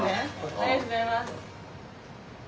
ありがとうございます。